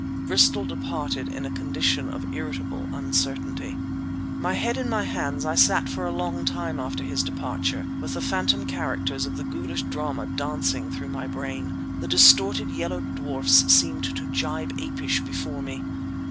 Bristol departed in a condition of irritable uncertainty. My head in my hands, I sat for long after his departure, with the phantom characters of the ghoulish drama dancing through my brain. The distorted yellow dwarfs seemed to gibe apish before me.